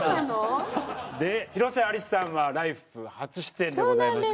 で広瀬アリスさんは「ＬＩＦＥ！」初出演でございますが。